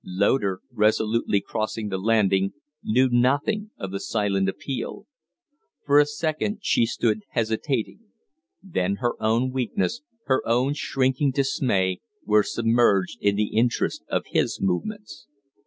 Loder, resolutely crossing the landing, knew nothing of the silent appeal. For a second she stood hesitating; then her own weakness, her own shrinking dismay, were submerged in the interest of his movements.